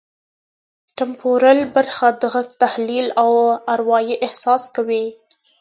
ټمپورل برخه د غږ تحلیل او اروايي احساس کوي